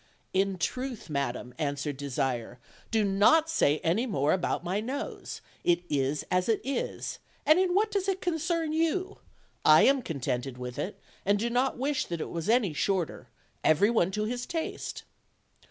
"In truth, madam, "answered Desire, "do not say any more about my nose; it is as it is, and in what does it concern you? I am contented with it, and do not wish that it was any shorter; every one to his taste."